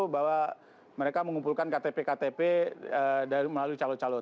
bahwa mereka mengumpulkan ktp ktp melalui calon calon